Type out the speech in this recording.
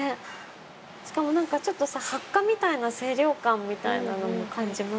しかもなんかちょっとさハッカみたいな清涼感みたいなのも感じますよね。